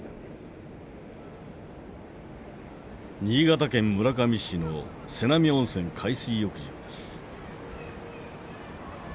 新潟県村上市の瀬波温泉海水浴場です。